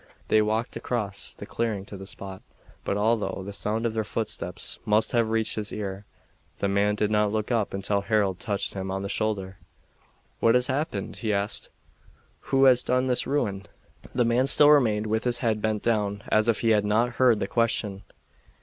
They walked across the clearing to the spot, but although the sound of their footsteps must have reached his ear, the man did not look up until Harold touched him on the shoulder. "What has happened?" he asked. "Who has done this ruin?" The man still remained with his head bent down, as if he had not heard the question.